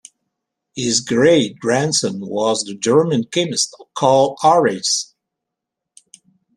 His great-grandson was the German chemist Carl Harries.